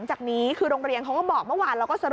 ใช่ค่ะ